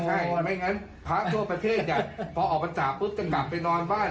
เพราะฉะนั้นพระทั่วประเทศพอออกกันสาปุ๊บจะกลับไปนอนบ้าน